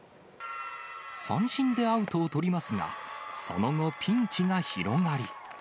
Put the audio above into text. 三振でアウトを取りますが、その後、ピンチが広がり。